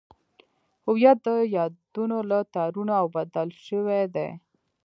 هویت د یادونو له تارونو اوبدل شوی دی.